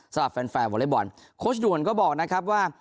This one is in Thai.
สำหรับแฟนแฟนวอเล็กบอลโค้ชด่วนก็บอกนะครับว่า